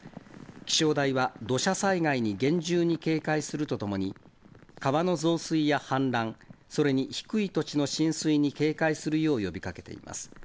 気象台は、土砂災害に厳重に警戒するとともに、川の増水や氾濫、それに低い土地の浸水に警戒するよう呼びかけています。